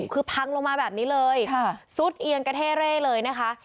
คือพังลงมาแบบนี้เลยซุดเอียงกระเท่เร่เลยนะคะ